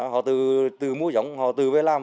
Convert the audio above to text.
họ tự mua giống họ tự về làm